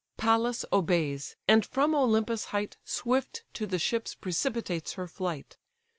Pallas obeys, and from Olympus' height Swift to the ships precipitates her flight.